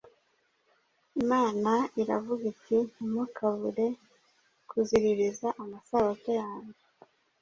Imana iravuga iti Ntimukabure kuziririza amasabato yanjye